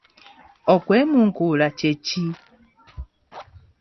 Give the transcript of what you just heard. Okwemunkula kye ki?